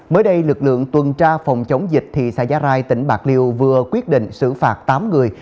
mới đây lực lượng tuần tra phòng chống dịch thị xã giá rai tỉnh bạc liêu vừa quyết định xử phạt tám người